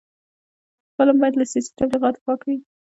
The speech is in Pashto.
فلم باید له سیاسي تبلیغاتو پاک وي